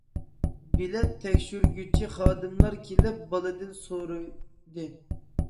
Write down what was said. بىلەت تەكشۈرگۈچى خادىملار كېلىپ بالىدىن سورىدى.